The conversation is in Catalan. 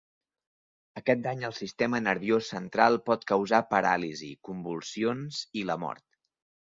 Aquest dany al sistema nerviós central pot causar paràlisi, convulsions i la mort.